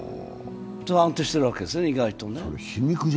安定しているわけですね、意外とね。